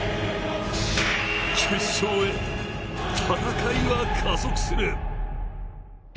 決勝へ、戦いは加速する。